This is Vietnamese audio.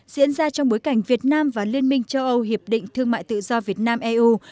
diễn ra trong bối cảnh việt nam và liên minh châu âu hiệp định thương mại tự do việt nam eu